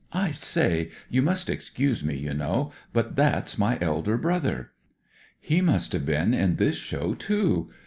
I say — you must excuse me, you know ; but that's my elder brother. He must have been in this show, too.